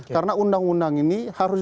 karena undang undang ini harus